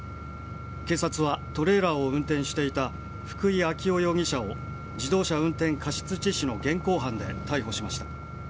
警察はトレーラーを運転していた福井暁生容疑者を自動車運転過失致死の現行犯で逮捕しました。